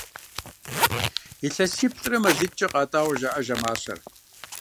Илъэсиплӏрэ мазитӏкӏэ къатӏауэ жаӏэж а мащэр.